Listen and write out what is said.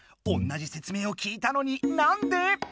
おんなじ説明を聞いたのになんで？